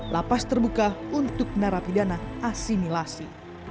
lapas terbuka untuk narapidana asimilasi